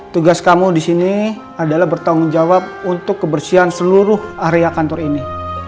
tugas kamu di sini adalah bertanggung jawab untuk kebersihan seluruh area kantor ini